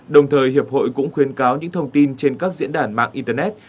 đồng thời hiệp hội cũng khuyên cáo những thông tin trên các diễn đàn mạng internet